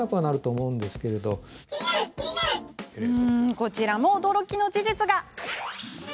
こちらも驚きの事実が。